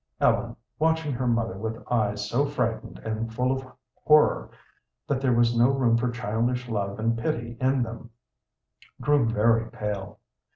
Ellen, watching her mother with eyes so frightened and full of horror that there was no room for childish love and pity in them, grew very pale.